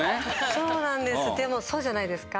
そうなんですでもそうじゃないですか？